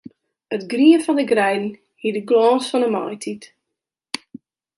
It grien fan 'e greiden hie de glâns fan 'e maitiid.